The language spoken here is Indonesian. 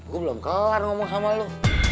gue belum kelar ngomong sama lo